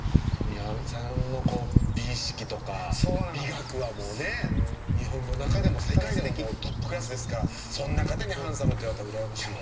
美輪さんの美意識とか美学はもうね、日本の中でも世界でもトップクラスですからそんな方にハンサムって言われたら羨ましいわ。